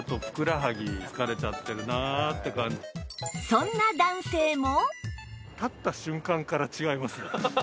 そんな男性も